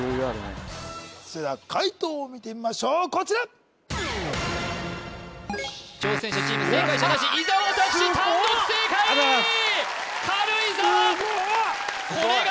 それでは解答を見てみましょうこちら挑戦者チーム正解者なしありがとうございます軽井沢すごっ！